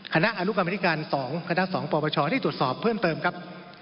คณะอารุกรรมพิธีการ๒คณะ๒ปประชาที่ตรวจสอบเพิ่มเติมครับ